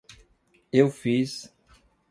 Eu fiz